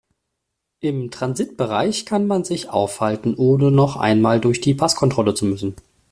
Im Transitbereich kann man sich aufhalten, ohne noch einmal durch die Passkontrolle zu müssen.